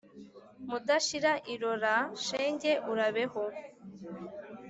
Mudashira irora, shenge urabeho